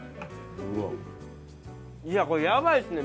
いやこれやばいですね！